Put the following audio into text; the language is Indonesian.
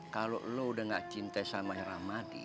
kalau lo udah gak cinta sama ramadi